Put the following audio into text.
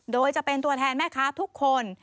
โดยจะเป็นตัวแทนแม่ค้าทุกคน